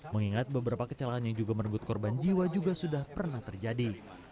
mengingat beberapa kecelakaan yang juga merenggut korban jiwa juga sudah pernah terjadi